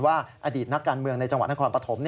อดีตนักการเมืองในจังหวัดนครปฐม